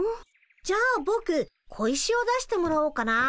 じゃあぼく小石を出してもらおうかな。